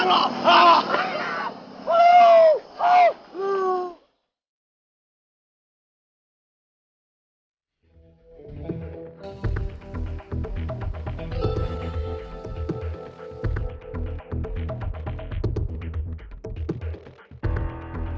mereka bisa berdua